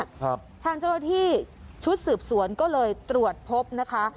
ครับทางจรวดที่ชุดสืบสวนก็เลยตรวจพบนะคะ